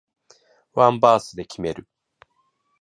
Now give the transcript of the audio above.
ワンバースで決める